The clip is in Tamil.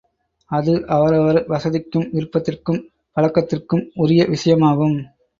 அது அவரவரர் வசதிக்கும் விருப்பத்திற்கும் பழக்கத்திற்கும் உரிய விஷயமாகும்.